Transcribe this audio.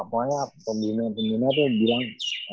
pokoknya pemimpin pemimpinnya tuh bilang